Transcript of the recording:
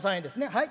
はい。